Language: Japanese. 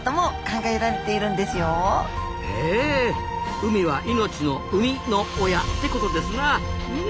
海は命のウミの親ってことですな。